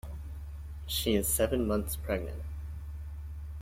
She is seven months pregnant.